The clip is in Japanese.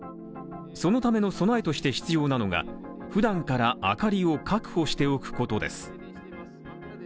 そのための備えとして必要なのがふだんから明かりを確保しておくことです。